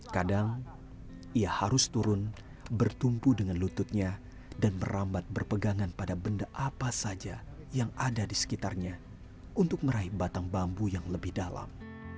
kadang ia harus turun bertumpu dengan lututnya dan merambat berpegangan pada benda apa saja yang ada di sekitarnya untuk meraih batang bambu yang lebih dalam